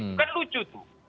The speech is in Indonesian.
bukan lucu tuh